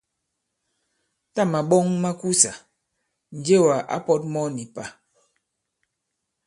Tâ màɓɔŋ ma makùsà, Njewà ǎ pɔ̄t mɔ nì pà.